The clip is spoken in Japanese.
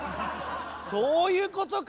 そういうことか！